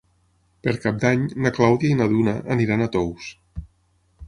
Per Cap d'Any na Clàudia i na Duna aniran a Tous.